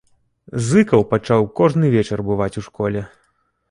Зыкаў пачаў кожны вечар бываць у школе.